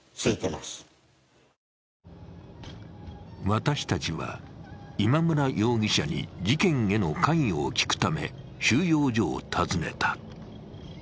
私たちは、今村容疑者に事件への関与を聞くため収容所を訪ねた。